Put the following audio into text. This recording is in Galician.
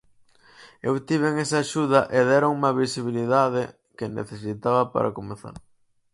Eu tiven esa axuda e déronme a visibilidade que necesitaba para comezar.